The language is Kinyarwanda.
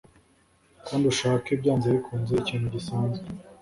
kandi ushake, byanze bikunze, ikintu gisanzwe